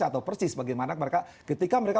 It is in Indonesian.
atau persis bagaimana mereka ketika mereka